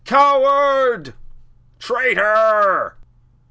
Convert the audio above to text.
Coward! Traitor!"